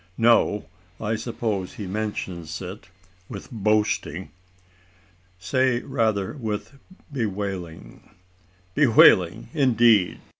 "No I suppose he mentions it with boasting!" "Say rather with bewailing." "Bewailing? Indeed!